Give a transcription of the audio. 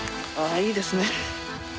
あいいですね。